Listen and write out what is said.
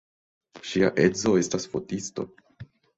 Ŝia edzo estas fotisto.